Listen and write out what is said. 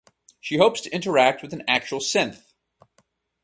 She hopes to interact with an actual synth.